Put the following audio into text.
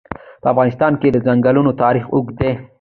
په افغانستان کې د ځنګلونه تاریخ اوږد دی.